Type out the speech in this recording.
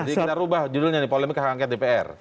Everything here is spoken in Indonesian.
jadi kita ubah judulnya polemik ke ktpr